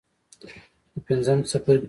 د پنځم څپرکي پوښتنې.